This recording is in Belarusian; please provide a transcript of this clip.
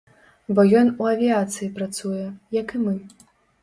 Бо ён ў авіяцыі працуе, як і мы.